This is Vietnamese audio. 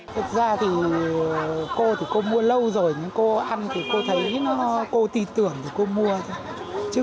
thật ra thì cô thì cô mua lâu rồi cô ăn thì cô thấy cô tin tưởng thì cô mua thôi